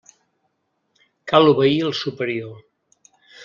Cal obeir al superior.